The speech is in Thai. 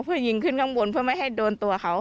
เพื่อยิงขึ้นข้างบนเพื่อไม่ให้โดนตัวเขา